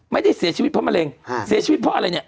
ไม่ได้เสียชีวิตเพราะมะเร็งฮะเสียชีวิตเพราะอะไรเนี่ย